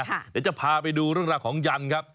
เดี๋ยวจะพาไปดูเรื่องราวของยันครับ